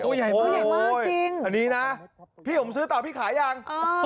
ใหญ่มากจริงอันนี้นะพี่ผมซื้อต่อพี่ขายยัง